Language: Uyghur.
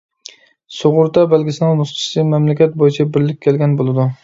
سۇغۇرتا بەلگىسىنىڭ نۇسخىسى مەملىكەت بويىچە بىرلىككە كەلگەن بولىدۇ.